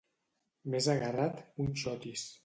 Més agarrat que un xotis.